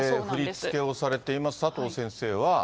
振り付けをされています佐藤先生は。